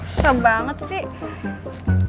susah banget sih